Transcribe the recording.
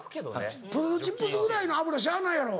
ポテトチップスぐらいの油しゃあないやろ。